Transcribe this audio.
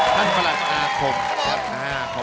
ท่านประหลักอาคมครับ